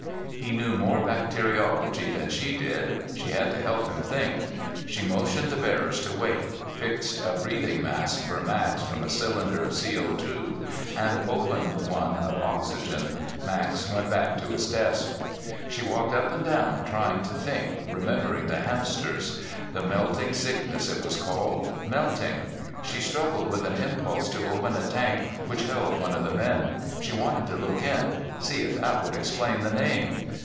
He knew more bacteriology than she did; she had to help him think. She motioned the bearers to wait, fixed a breathing mask for Max from a cylinder of CO_ and the opened one of oxygen. Max went back to his desk. She walked up and down, trying to think, remembering the hamsters. The melting sickness, it was called. Melting. She struggled with an impulse to open a tank which held one of the men. She wanted to look in, see if that would explain the name.